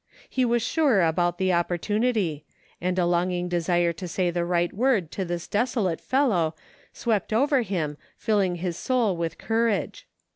He was sure about the oppor tunity ; and a longing desire to say the right word to this desolate fellow swept over him filling his soul with courage.